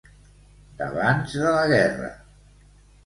D'abans de la guerra.